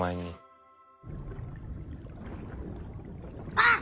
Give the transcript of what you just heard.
あっ！